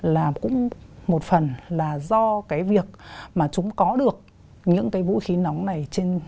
là cũng một phần là do cái việc mà chúng có được những cái vũ khí nóng này trên